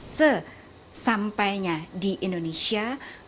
sesampainya di indonesia